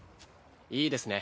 いいですね。